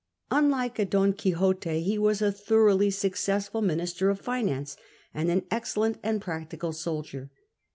Unlike a Don Quixote, he was a thoroughly successful minister of finance, and an excellent and practical soldier.